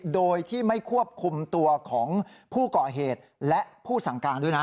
โดยที่ไม่ควบคุมตัวของผู้ก่อเหตุและผู้สั่งการด้วยนะ